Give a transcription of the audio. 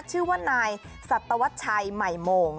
ชื่อว่านายสัตวัชชัยใหม่โมง